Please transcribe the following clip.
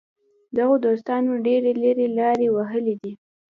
دغو دوستانو ډېرې لرې لارې وهلې دي.